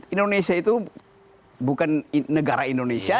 indonesia itu bukan negara indonesia